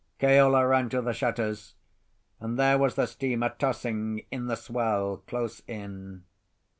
Keola ran to the shutters; and there was the steamer tossing in the swell close in.